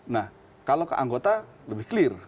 nah kalau ke anggota lebih clear